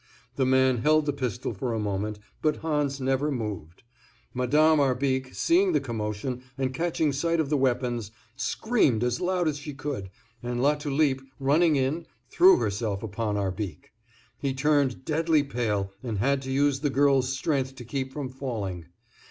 The man held the pistol for a moment, but Hans never moved. Madame Arbique, seeing the commotion, and catching sight of the weapons, screamed as loud as she could, and Latulipe, running in, threw herself upon Arbique. He turned deadly pale and had to use the girl's strength to keep from falling.